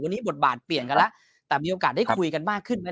วันนี้บทบาทเปลี่ยนกันแล้วแต่มีโอกาสได้คุยกันมากขึ้นนะ